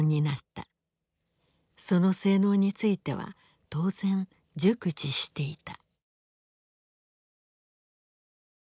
その性能については当然熟知していた。